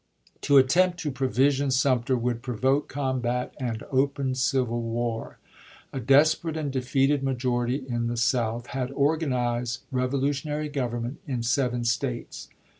To attempt to provision Sumter would provoke combat and open civil war. A desperate and defeated majority in the South, had organized revolutionary government in seven States.